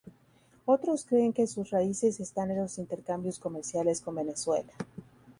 Otros creen que sus raíces están en los intercambios comerciales con Venezuela.